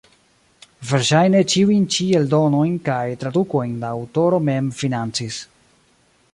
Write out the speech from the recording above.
Verŝajne ĉiujn ĉi eldonojn kaj tradukojn la aŭtoro mem financis.